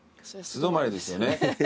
素泊まりですよね。